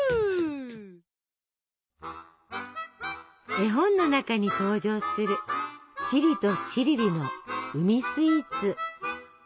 絵本の中に登場するチリとチリリの海スイーツ！